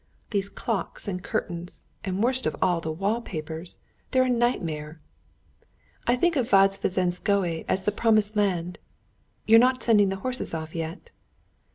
These clocks, and curtains, and, worst of all, the wallpapers—they're a nightmare. I think of Vozdvizhenskoe as the promised land. You're not sending the horses off yet?"